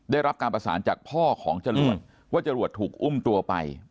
ได้รับการประสานจากพ่อของจรวดว่าจรวดถูกอุ้มตัวไป